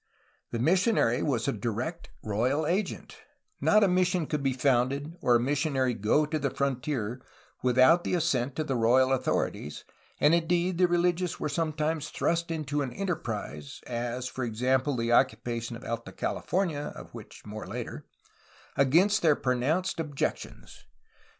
The missionary was a direct royal agent ; not a mission could be founded or a missionary go to the frontier without the assent of the royal authorities, and indeed the religious were sometimes thrust into an enterprise (as for example the occupation of Alta California — of which, later) against their pronounced ob jections.